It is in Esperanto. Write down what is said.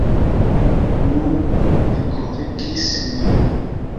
Nu, vi konvinkis min.